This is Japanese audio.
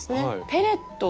ペレット？